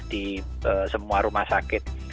di semua rumah sakit